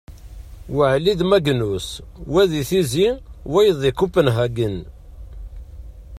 Waɛli d Magnus, wa di Tizi, wayeḍ di Conpenhagen